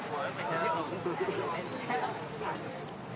โปรดติดตามต่อไป